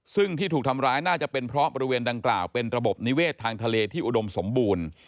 ซึ่งที่ถูกทำร้ายน่าจะเป็นเพราะบริเวณดังกล่าวเป็นระบบนิเวศทางทะเลที่อุดมสมบูรณ์